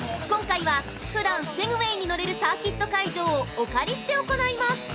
今回はふだんセグウェイに乗れるサーキット会場をお借りして行います。